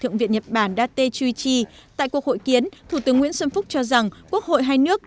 thượng viện nhật bản date truichi tại cuộc hội kiến thủ tướng nguyễn xuân phúc cho rằng quốc hội hai nước